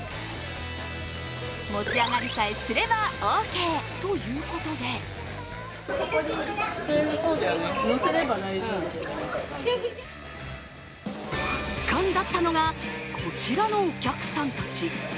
持ち上がりさえすればオーケーということで圧巻だったのが、こちらのお客さんたち。